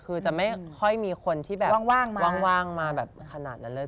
คือจะไม่ค่อยมีคนที่แบบว่างมาแบบขนาดนั้นเลย